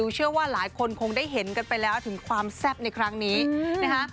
เชื่อว่าหลายคนคงได้เห็นกันไปแล้วถึงความแซ่บในครั้งนี้นะคะ